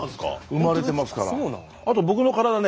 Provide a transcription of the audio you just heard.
生まれてますから。